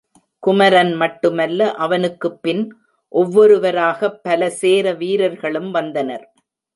குமரன் மட்டுமல்ல, அவனுக்குப்பின் ஒவ்வொருவராகப் பல சேர வீரர்களும் வந்தனர்.